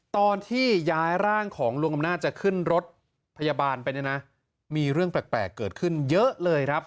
ตอนที่ย้ายร่างของลุงอำนาจจะขึ้นรถพยาบาลไปเนี่ยนะมีเรื่องแปลกเกิดขึ้นเยอะเลยครับ